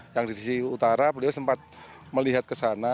yang di sisi utara beliau sempat melihat ke sana